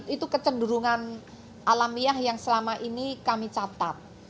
itu kecenderungan alamiah yang selama ini kami catat